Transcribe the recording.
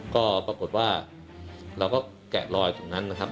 ก็ปรากฏว่าเราก็แกะรอยตรงนั้นนะครับ